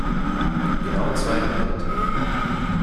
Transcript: Genau zweihundert.